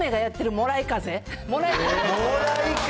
もらい風。